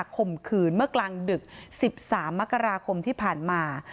ข่มขืนเมื่อกลางดึก๑๓มกราคมที่ผ่านมา